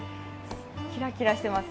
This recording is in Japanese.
キラキラしてます。